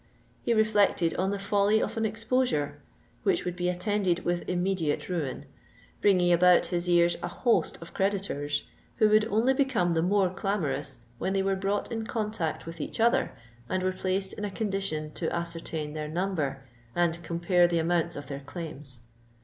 He reflected on the folly of an exposure, which would be attended with immediate ruin;—bringing about his ears a host of creditors, who would only become the more clamorous when they were brought in contact with each other, and were placed in a condition to ascertain their number and compare the amounts of their claims.